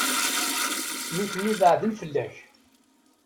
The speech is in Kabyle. Nutni beɛden fell-ak.